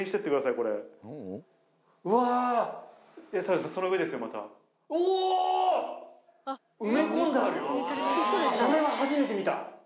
これは初めて見た。